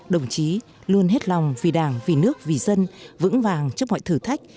đồng chí luôn hết lòng vì đảng vì nước vì dân vững vàng trước mọi thử thách